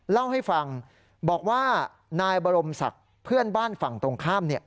เล่าให้ฟังบอกว่านายบรมศักดิ์เพื่อนบ้านฝั่งตรงข้าม